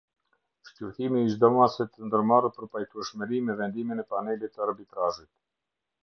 Shqyrtimi i çdo mase të ndërmarrë për pajtueshmëri me vendimin e panelit të arbitrazhit.